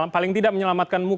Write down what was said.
paling tidak menyelamatkan muka